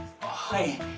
はい。